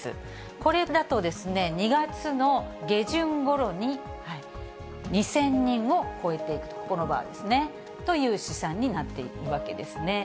これだと２月の下旬ごろに、２０００人を超えていくと、この場合ですね、という試算になっているわけですね。